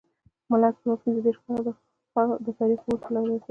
ملت پوره پنځه دیرش کاله د تاریخ په اور کې لار وهلې.